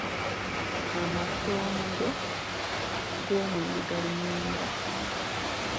Amatondo g’omwenge gali mwenda.